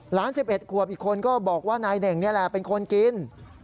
๑๑ขวบอีกคนก็บอกว่านายเน่งนี่แหละเป็นคนกิน